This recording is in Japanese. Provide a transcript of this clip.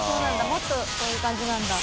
もっとこういう感じなんだ。